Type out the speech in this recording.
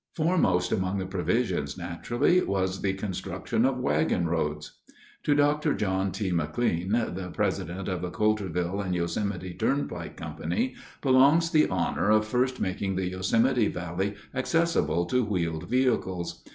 Foremost among the provisions, naturally, was the construction of wagon roads. To Dr. John T. McLean, the president of the Coulterville and Yosemite Turnpike Company, belongs the honor of first making the Yosemite Valley accessible to wheeled vehicles.